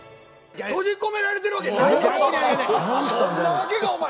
閉じ込められてるわけないやろお前。